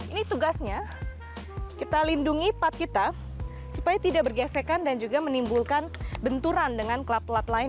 ini tugasnya kita lindungi pat kita supaya tidak bergesekan dan juga menimbulkan benturan dengan klub klub lain